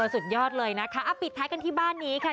สุดยอดเลยนะคะอ้ะปิดไทกันที่บ้านนี้เขา